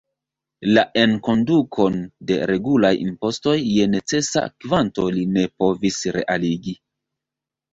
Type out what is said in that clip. La enkondukon de regulaj impostoj je necesa kvanto li ne povis realigi.